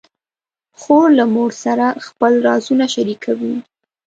خور له مور سره خپل رازونه شریکوي.